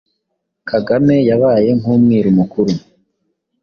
Kagame yabaye nk’umwiru mukuru.